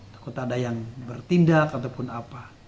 takut ada yang bertindak ataupun apa